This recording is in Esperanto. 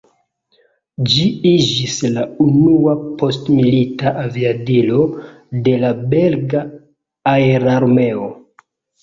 Ĝi iĝis la unua postmilita aviadilo de la belga aerarmeo.